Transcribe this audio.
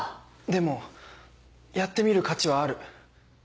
でもやってみる価値はある。